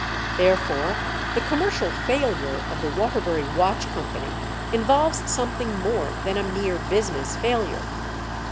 Therefore, the commercial failure of the Waterbury Watch Company involves something more than a mere business failure.